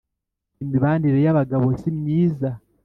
Imibanire y’abagabo simyiza